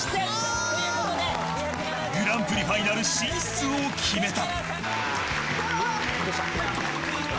グランプリファイナル進出を決めた。